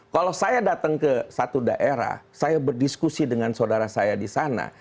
kalau saya datang ke satu daerah saya berdiskusi dengan saudara saya di sana